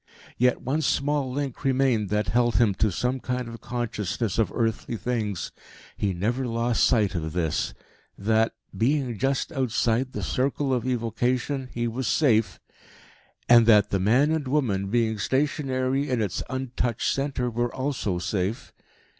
Yet one small link remained that held him to some kind of consciousness of earthly things: he never lost sight of this that, being just outside the circle of evocation, he was safe, and that the man and woman, being stationary in its untouched centre, were also safe.